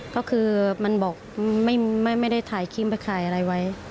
ก็คือมันบอกไม่ได้ถ่ายคลิปไปถ่ายอะไรไว้